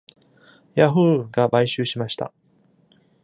ヤフー！が買収しました。